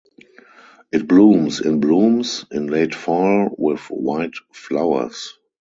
It blooms in blooms in late fall with white flowers.